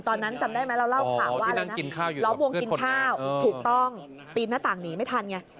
ตอนนั้นจำได้ไหมเราเล่าข่าวว่าอะไรนะล้อมวงกินข้าวถูกต้องปีนหน้าต่างหนีไม่ทันไง